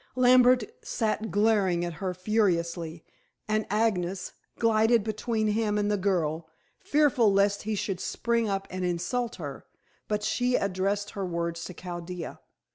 Lambert sat glaring at her furiously, and Agnes glided between him and the girl, fearful lest he should spring up and insult her. But she addressed her words to Chaldea.